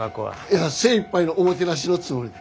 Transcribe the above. いや精いっぱいのおもてなしのつもりで。